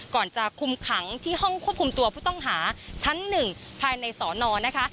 ก่อนจะคุมขังที่ห้องควบคุมตัวผู้ต้องหาชั้นหนึ่งภายในสอนอนะคะ